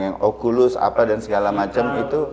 yang oculus apa dan segala macam itu